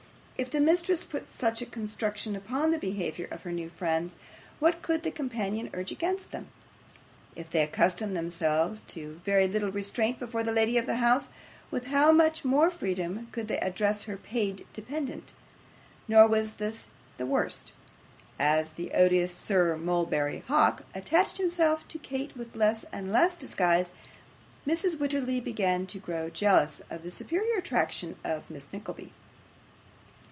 If the mistress put such a construction upon the behaviour of her new friends, what could the companion urge against them? If they accustomed themselves to very little restraint before the lady of the house, with how much more freedom could they address her paid dependent! Nor was even this the worst. As the odious Sir Mulberry Hawk attached himself to Kate with less and less of disguise, Mrs. Wititterly began to grow jealous of the superior attractions of Miss Nickleby.